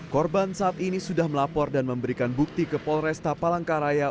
korban saat ini sudah melapor dan memberikan bukti ke polresta palangkaraya